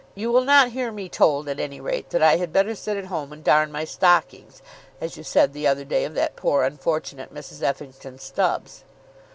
You will not hear me told, at any rate, that I had better sit at home and darn my stockings, as you said the other day of that poor unfortunate Mrs. Effington Stubbs.